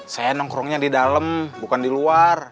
saya nongkrongnya di dalam bukan di luar